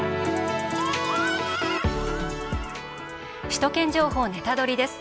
「首都圏情報ネタドリ！」です。